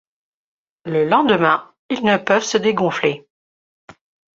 Le lendemain, ils ne peuvent se dégonfler…